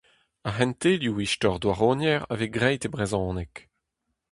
Ar c'hentelioù istor-douaroniezh a vez graet e brezhoneg.